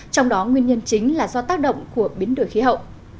trong đó nguyên nhân chính là do tác động của biến đổi khí hậu